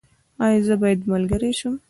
ایا زه باید ملګری شم؟